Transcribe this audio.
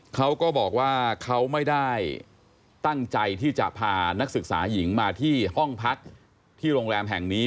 เขาก็บอกว่าเขาไม่ได้ตั้งใจที่จะพานักศึกษาหญิงมาที่ห้องพักที่โรงแรมแห่งนี้